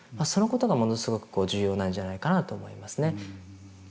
そのことがものすごく重要なんじゃないかなと思いますね。